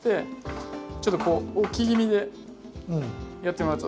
ちょっとこう置き気味でやってもらうと。